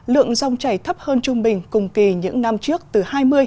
lượng rong chảy thấp hơn trung bình cùng kỳ những năm trước từ hai mươi bốn mươi